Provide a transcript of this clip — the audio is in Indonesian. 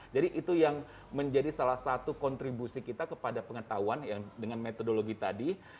itu yang menjadi salah satu kontribusi kita kepada pengetahuan yang dengan metodologi tadi